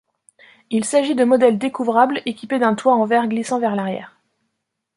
Il s'agit de modèles découvrables équipés d'un toit en verre glissant vers l'arrière.